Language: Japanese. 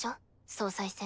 総裁選。